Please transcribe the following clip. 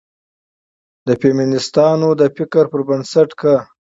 د فيمنستانو د فکر پر بنسټ، که